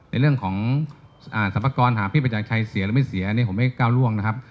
ในเรื่องของสรรพากรหาพี่ประจักรชัยเสียหรือไม่เสียเนี่ยผมไม่ก้าวล่วงนะครับ